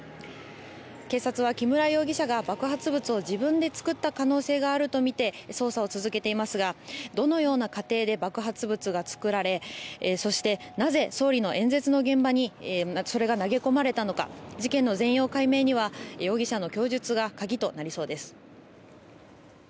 警察は木村容疑者が爆発物を自分で作った可能性があるとみて捜査を続けていますがどのような過程で爆発物が作られそして、なぜ総理の演説の現場にそれが投げ込まれたのか事件の全容解明には容疑者の供述が鍵となりそうです。